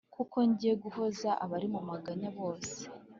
Kuko ngiye guhoza abari mu maganya bose.»